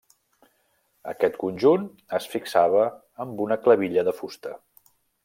Aquest conjunt es fixava amb una clavilla de fusta.